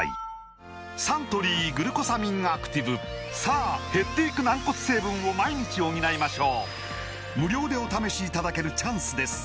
サントリー「グルコサミンアクティブ」さあ減っていく軟骨成分を毎日補いましょう無料でお試しいただけるチャンスです